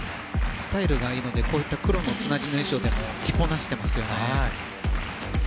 スタイルがいいのでこういった黒のつなぎの衣装を着こなしてますよね。